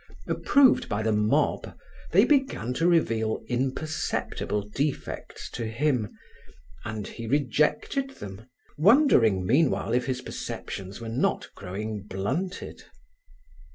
Approved by the mob, they began to reveal imperceptible defects to him, and he rejected them, wondering meanwhile if his perceptions were not growing blunted.